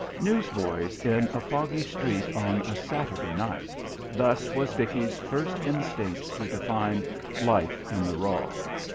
Newsboys in a foggy street on a Saturday night thus was Dickie's first instinct to define "life in the raw...."